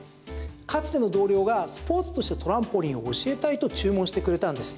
かつての同僚がスポーツとしてトランポリンを教えたいと注文してくれたんです。